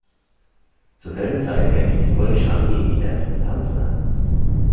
Zur selben Zeit erhielt die polnische Armee die ersten Panzer.